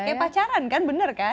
kayak pacaran kan bener kan